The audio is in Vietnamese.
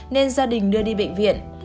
nên gia đình đưa đi bệnh viện